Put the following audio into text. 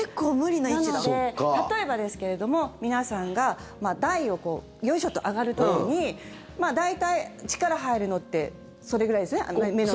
なので、例えばですけども皆さんが台をよいしょと上がる時に大体、力が入るのってそれぐらいですよね